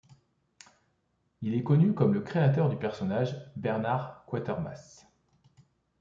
Il est connu comme le créateur du personnage Bernard Quatermass.